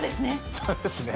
そうですね。